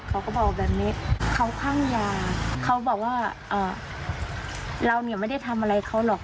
เขาก็บอกแบบนี้เขาคลั่งยาเขาบอกว่าเราเนี่ยไม่ได้ทำอะไรเขาหรอก